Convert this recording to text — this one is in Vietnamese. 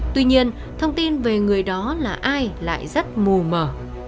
tuy nhiên thông tin về người đó là ai lại rất mù mờ